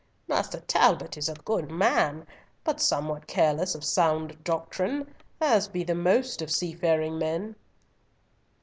"Master Talbot is a good man, but somewhat careless of sound doctrine, as be the most of seafaring men."